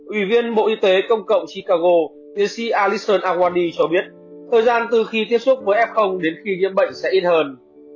ủy viên bộ y tế công cộng chicago tiến sĩ alisson awani cho biết thời gian từ khi tiếp xúc với f đến khi nhiễm bệnh sẽ ít hơn